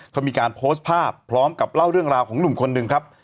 เขามีการโพสต์ภาพพร้อมกับเล่าเรื่องราวของหนุ่มคนหนึ่งครับ